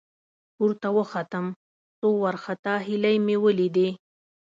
، پورته وختم، څو وارخطا هيلۍ مې ولېدې.